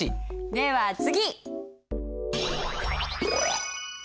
では次！